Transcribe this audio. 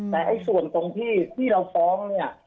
แต่ไอ้ส่วนตรงที่ที่เราฟ้องเนี่ย